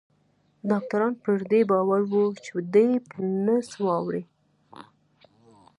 ډاکتران پر دې باور وو چې دی به نه څه واوري.